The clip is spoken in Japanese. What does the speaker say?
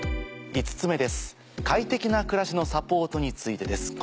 ５つ目です「快適な暮らしのサポート」についてです。